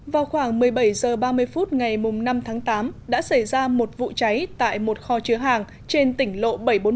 vào khoảng một mươi bảy h ba mươi phút ngày năm tháng tám đã xảy ra một vụ cháy tại một kho chứa hàng trên tỉnh lộ bảy trăm bốn mươi năm